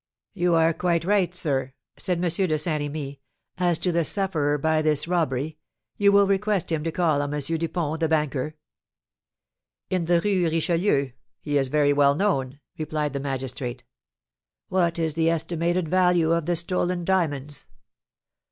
"You are quite right, sir," said M. de Saint Remy; "as to the sufferer by this robbery, you will request him to call on M. Dupont, the banker." "In the Rue Richelieu? He is very well known," replied the magistrate. "What is the estimated value of the stolen diamonds?"